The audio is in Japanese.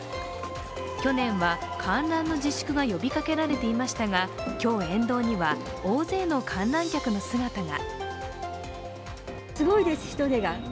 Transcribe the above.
去年は、観覧の自粛が呼びかけられていましたが、今日、沿道には大勢の観覧客の姿が。